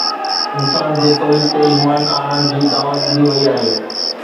انسان کي توحيد تي ايمان آڻڻ جي دعوت ڏني وئي آهي